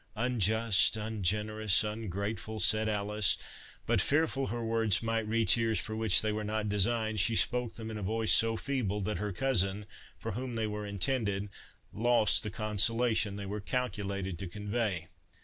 "Unjust—ungenerous—ungrateful!" said Alice; but fearful her words might reach ears for which they were not designed, she spoke them in a voice so feeble, that her cousin, for whom they were intended, lost the consolation they were calculated to convey.